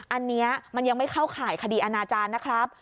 อันนี้มันยังไม่เข้าข่ายคดีอาณาจารย์นะครับ